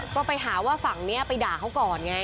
ก็ไปหาว่าฝั่งนี้ไปด่าเขาก่อนไง